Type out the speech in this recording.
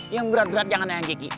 yang berat berat jangan yang gigi